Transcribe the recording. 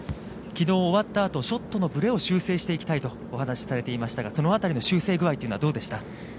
◆きのう、終わったあと、ショットのぶれを修正していきたいとお話しされていましたが、そのあたりの修正ぐあいというのはどうでした？